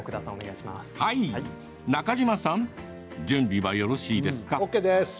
中嶋さん準備はよろしいですか。